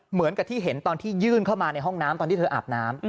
เหมือนกับที่เห็นตอนที่ยื่นเข้ามาในห้องน้ำตอนที่เธออาบน้ำ